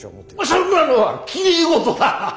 そんなのはきれい事だ！